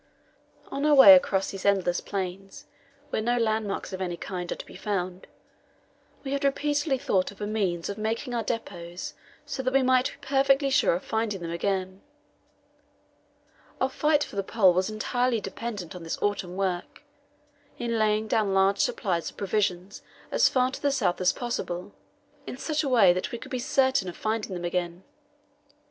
On our way across these endless plains, where no landmarks of any kind are to be found, we had repeatedly thought of a means of marking our depots so that we might be perfectly sure of finding them again. Our fight for the Pole was entirely dependent on this autumn work, in laying down large supplies of provisions as far to the south as possible in such a way that we could be certain of finding them again.